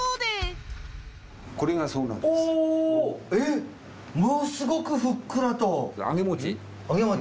えっものすごくふっくらと。